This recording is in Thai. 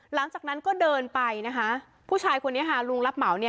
หลังจากนั้นก็เดินไปผู้ชายคนนี้ลุงรับเหมา